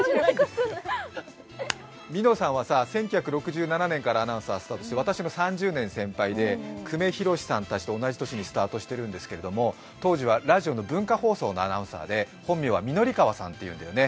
みのさんは１９６７年からスタートして私の３０年先輩で、久米宏さんたちと同じ年にスタートしているんだけど、当時はラジオの文化放送のアナウンサーで本名は御法川さんって言うんだよね。